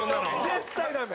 絶対ダメ！